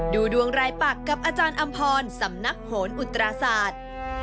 ดูดวงรายปักกับอาจารย์อำพรสำนักโหนอุตราศาสตร์